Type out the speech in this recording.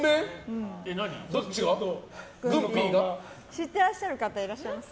知ってらっしゃる方いらっしゃいます？